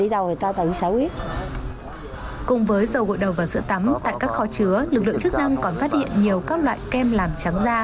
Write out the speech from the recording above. tại các kho chứa lực lượng chức năng còn phát hiện nhiều các loại kem làm trắng da